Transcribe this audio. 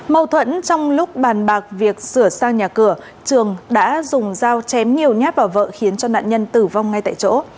mâu thuẫn trong lúc bàn bạc việc sửa sang nhà cửa trường đã dùng dao chém nhiều nhát vào vợ khiến cho nạn nhân tử vong ngay tại chỗ